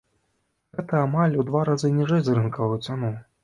Гэта амаль у два разы ніжэй за рынкавую цану.